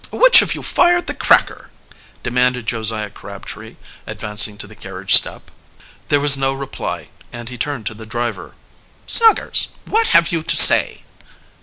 "Which of you fired the cracker?" demanded Josiah Crabtree, advancing to the carriage step. There was no reply, and he turned to the driver. "Snuggers, what have you to say?"